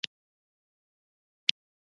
موږ باید سیاحت هڅوو ، ترڅو افغانستان اباد شي.